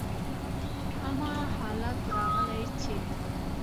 هماغه حالت راغلی چې: